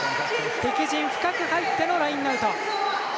敵陣深く入ってのラインアウト。